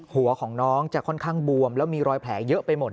หัวของน้องจะค่อนข้างบวมแล้วมีรอยแผลเยอะไปหมด